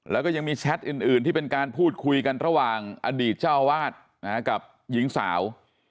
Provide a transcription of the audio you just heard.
แล้วก็ยังมีแชทอื่นที่เป็นการพูดคุยกันระหว่างอดีตเจ้าวาดกับหญิงสาว